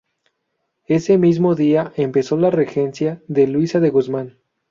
Ese mismo día empezó la regencia de Luisa de Guzmán.